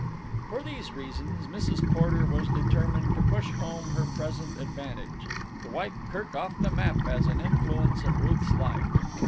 For these reasons Mrs. Porter was determined to push home her present advantage, to wipe Kirk off the map as an influence in Ruth's life.